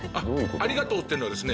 「ありがとう」っていうのはですね